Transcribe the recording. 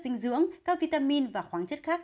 dinh dưỡng các vitamin và khoáng chất khác